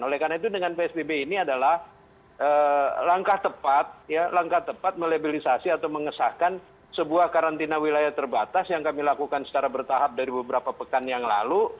oleh karena itu dengan psbb ini adalah langkah tepat langkah tepat melabilisasi atau mengesahkan sebuah karantina wilayah terbatas yang kami lakukan secara bertahap dari beberapa pekan yang lalu